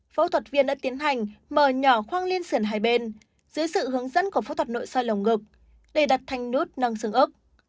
phẫu thuật viên đã tiến hành mở nhỏ khoang liên sườn hai bên dưới sự hướng dẫn của phẫu thuật nội soi lồng ngực để đặt thanh nút nâng xương ốc